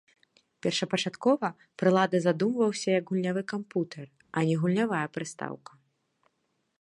Першапачаткова прылада задумваўся як гульнявы камп'ютар, а не гульнявая прыстаўка.